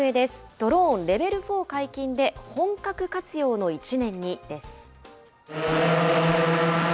ドローンレベル４解禁で、本格活用の１年にです。